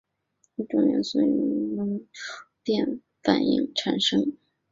一切重元素由氢与氦通过恒星内部核聚变反应产生。